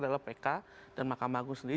adalah pk dan mahkamah agung sendiri